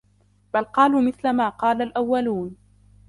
بل قالوا مثل ما قال الأولون